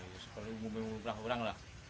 itu perlu memimpin orang orang